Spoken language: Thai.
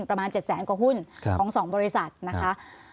ประมาณ๗แสนกว่าหุ้นของ๒บริษัทนะคะ